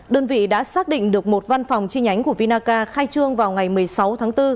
đơn vị đã xác định được một văn phòng chi nhánh của vinaca khai trương vào ngày một mươi sáu tháng bốn